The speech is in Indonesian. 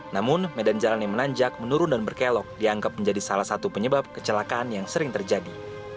namun medan jalan yang menanjak menurun dan berkelok dianggap menjadi salah satu penyebab kecelakaan yang sering terjadi